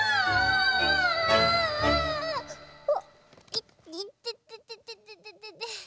いっいてててて。